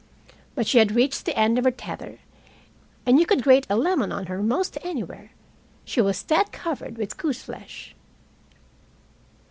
But she had reached the end of her tether, and you could grate a lemon on her most anywhere, she was that covered with goose flesh.